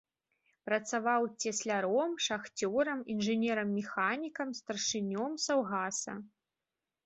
Працаваў цесляром, шахцёрам, інжынерам-механікам, старшынём саўгаса.